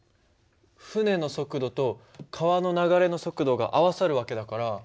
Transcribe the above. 船の速度と川の流れの速度が合わさる訳だから。